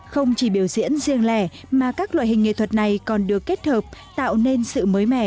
không chỉ biểu diễn riêng lẻ mà các loại hình nghệ thuật này còn được kết hợp tạo nên sự mới mẻ